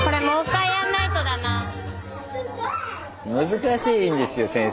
難しいんですよ先生